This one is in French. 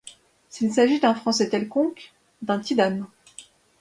S'il s'agit d'un français quelconque, d'un quidam